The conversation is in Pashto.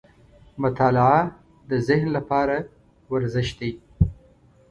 • مطالعه د ذهن لپاره ورزش دی.